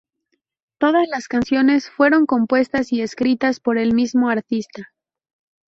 Todas las canciones fueron compuestas y escritas por el mismo artista.